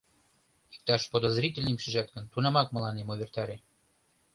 Иктаж подозрительныйым шижат гын, тунамак мыланем увертаре.